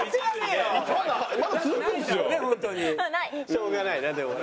しょうがないなでもな。